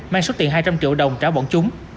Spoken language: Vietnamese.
mang số tiền hai trăm linh triệu đồng trả bọn chúng